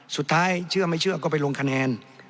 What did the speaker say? เชื่อไม่เชื่อก็ไปลงคะแนน